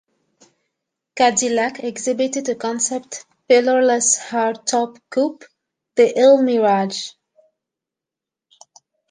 Cadillac exhibited a concept pillarless hardtop coupe, the Elmiraj.